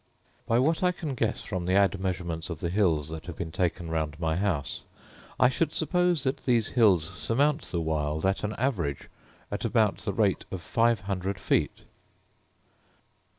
By what I can guess from the admeasurements of the hills that have been taken round my house, I should suppose that these hills surmount the wild at au average at about the rate of five hundred feet.